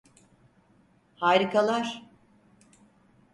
Harikalar.